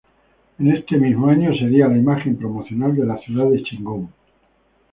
En este mismo año sería la imagen promocional de la ciudad de Chengdu.